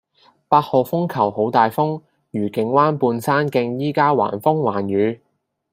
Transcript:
八號風球好大風，愉景灣畔山徑依家橫風橫雨